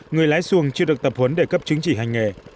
người lái xuồng chưa được tập huấn để cấp chứng chỉ hành nghề